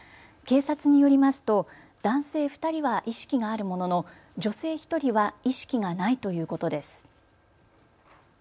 警察によりますと男性２人は意識があるものの女性１人は意識がないということです。